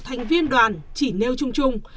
thành viên đoàn chỉ nêu chung chung